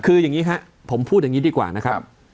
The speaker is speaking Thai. คืออย่างนี้ครับผมพูดอย่างนี้ดีกว่านะครับ